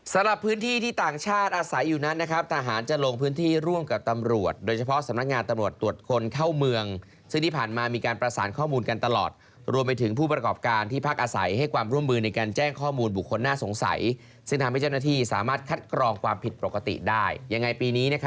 สำหรับพื้นที่ที่ต่างชาติอาศัยอยู่นั้นทหารจะลงพื้นที่ร่วมกับตำรวจโดยเฉพาะสำนักงานตำรวจตรวจคนเข้าเมืองซึ่งที่ผ่านมามีการประสานข้อมูลกันตลอดรวมไปถึงผู้ประกอบการที่พักอาศัยให้ความร่วมมือในการแจ้งข้อมูลบุคคลน่าสงสัยซึ่งทำให้เจ้าหน้าที่สามารถคัดกรองความผิดปกติได้ยังไงปีนี้